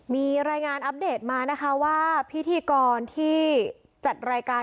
มีรายงานอัปเดตมานะคะว่าพิธีกรที่จัดรายการ